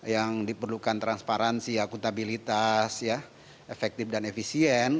yang diperlukan transparansi akuntabilitas efektif dan efisien